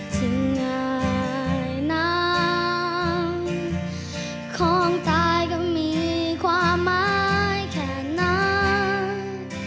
สิ่งง่ายนางของตายก็มีความหมายแค่นั้น